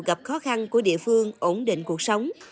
gặp khó khăn của địa phương ổn định cuộc sống